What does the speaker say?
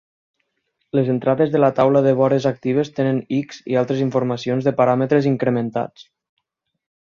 Les entrades de la taula de vores actives tenen X i altres informacions de paràmetres incrementats.